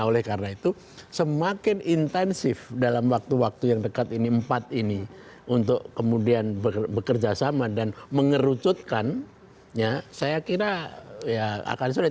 oleh karena itu semakin intensif dalam waktu waktu yang dekat ini empat ini untuk kemudian bekerja sama dan mengerucutkannya saya kira ya akan sulit